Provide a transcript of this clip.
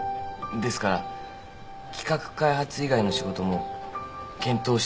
ですから企画開発以外の仕事も検討してみようと思うんです。